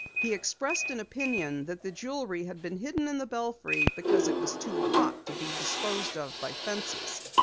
He expressed an opinion that the jewelry had been hidden in the belfry because it was too "hot" to be disposed of by fences.